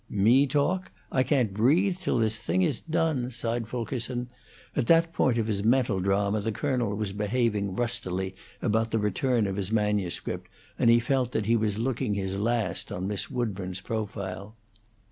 "Me talk? I can't breathe till this thing is done!" sighed Fulkerson; at that point of his mental drama the Colonel was behaving rustily about the return of his manuscript, and he felt that he was looking his last on Miss Woodburn's profile.